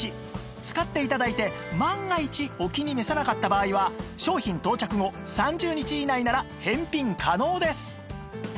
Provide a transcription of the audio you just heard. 使って頂いて万が一お気に召さなかった場合は商品到着後３０日以内なら返品可能です